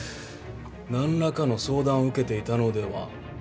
何らかの相談を受けていたのでは？